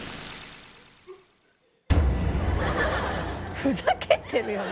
ふざけてるよね。